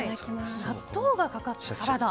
納豆がかかったサラダ。